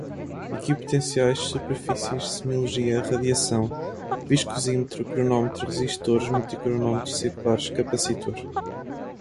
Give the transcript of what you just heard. equipotenciais, superfícies, semiologia, radiação, viscosímetro, cronômetro, resistores, multicronômetro, circulares, capacitor